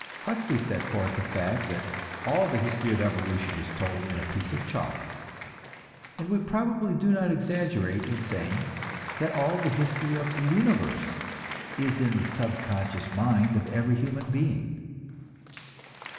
Huxley set forth the fact that all the history of evolution is told in a piece of chalk; and we probably do not exaggerate in saying that all the history of the universe is in the subconscious mind of every human being.